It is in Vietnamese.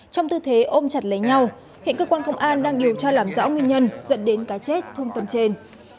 trong tư thế ôm chặt lấy nhau hiện cơ quan công an đang điều tra làm rõ nguyên nhân dẫn đến cái chết thương tâm trên